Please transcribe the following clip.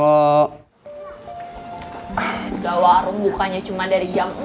udah warung bukanya cuma dari jam empat